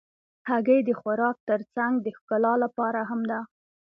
هګۍ د خوراک تر څنګ د ښکلا لپاره هم ده.